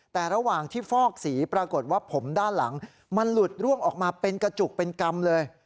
แต่ระหว่างที่ฟอกสีปรากฏว่าผมด้านหลังมันหลุดร่วงออกมาเป็นกระจุกเป็นกรรมเลย